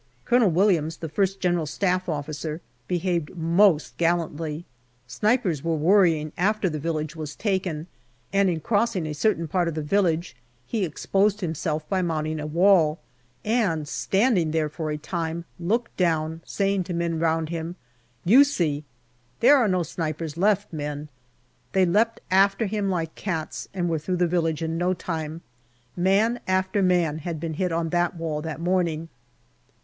Colonel Williams, the G. S.O.I, behaved most gallantly. Snipers were worrying after the village was taken, and in crossing a certain part of the village he exposed himself by mounting a wall, and, standing there for a time, looked down, saying to men round him, " You see, there are no snipers left, men/' They leapt after him like cats, and were through the village in no time. Man after man had been hit on that wall that morning.